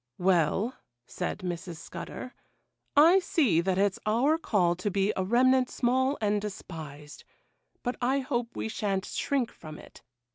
'Well,' said Mrs. Scudder, 'I see that it's our call to be a remnant small and despised, but I hope we sha'n't shrink from it.